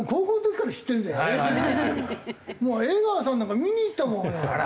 もう江川さんなんか見に行ったもん俺。